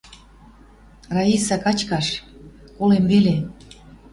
«Раиса, качкаш. Колем веле.